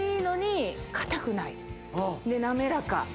で滑らか。